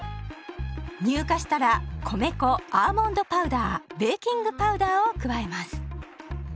乳化したら米粉アーモンドパウダーベーキングパウダーを加えます。